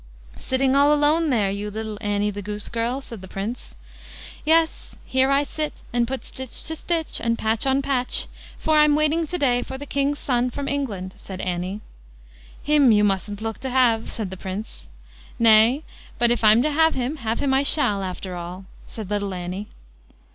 "Sitting all alone there, you little Annie, the goose girl", said the Prince. "Yes, here I sit, and put stitch to stitch, and patch on patch; for I'm waiting to day for the king's son from England", said Annie. "Him you mustn't look to have", said the Prince. "Nay, but if I'm to have him, have him I shall, after all", said little Annie.